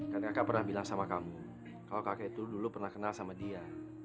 karena kakak pernah bilang sama kamu kalau kakek itu dulu pernah kenal sama dia